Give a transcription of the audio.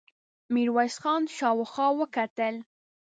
ميرويس خان شاوخوا وکتل.